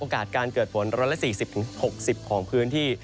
การเกิดฝน๑๔๐๖๐ของพื้นที่